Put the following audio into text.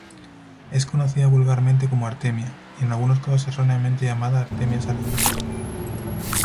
Es conocida vulgarmente como artemia, y en algunos casos erróneamente llamada "Artemia salina".